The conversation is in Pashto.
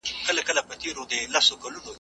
خولگۍ راکه شل کلنی پسرلی رانه تېرېږی`